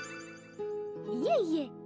いえいえ。